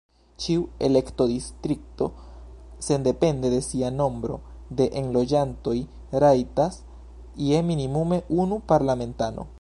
Ĉiu elektodistrikto, sendepende de sia nombro de enloĝantoj, rajtas je minimume unu parlamentano.